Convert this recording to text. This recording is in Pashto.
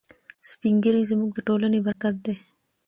سپین ږیري زموږ د ټولنې برکت دی.